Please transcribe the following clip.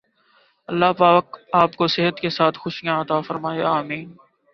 اللہ پاک آپ کو صحت کے ساتھ خوشیاں عطا فرمائے آمین